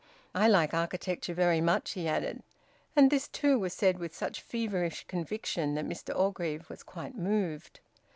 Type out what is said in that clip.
"I like architecture very much," he added. And this too was said with such feverish conviction that Mr Orgreave was quite moved.